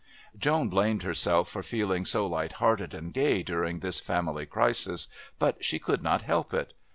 Joan blamed herself for feeling so light hearted and gay during this family crisis, but she could not help it.